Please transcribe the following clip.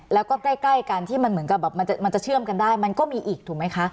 แล้วก็ใกล้กันที่มันเหมือนกับแบบมันจะเชื่อมกันได้มันก็มีอีกถูกไหมคะ